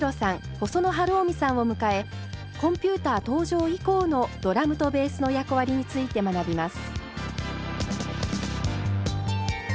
細野晴臣さんを迎えコンピューター登場以降のドラムとベースの役割について学びます。